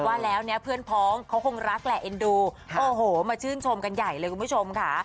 ว่าแล้วเนี่ยเพื่อนพ้องเขาคงรักแหละเอ็นดูโอ้โหมาชื่นชมกันใหญ่เลยคุณผู้ชมค่ะ